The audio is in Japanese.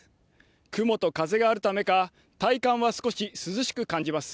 雲と風があるためか体感は少し涼しく感じます。